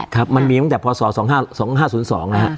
ครับมันมีตั้งแต่พศ๒๕๐๒นะฮะ